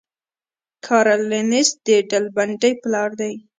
کارل لینس د ډلبندۍ پلار دی